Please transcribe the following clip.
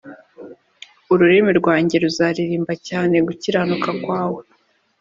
ururimi rwanjye ruzaririmba cyane gukiranuka kwawe